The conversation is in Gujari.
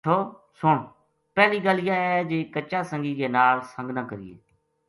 ہچھو ! سن ! پہلی گل یاہ ہے جی کچا سنگی کے ناڑ سنگ نہ کرینے